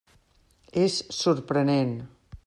És sorprenent.